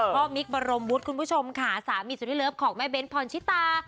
มิคบรมวุฒิคุณผู้ชมค่ะสามีสุดที่เลิฟของแม่เบ้นพรชิตา